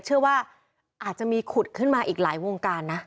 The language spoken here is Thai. เชื่อว่าอาจจะมีขุดขึ้นมาอีกหลายวงการนะ